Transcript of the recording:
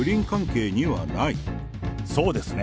そうですね。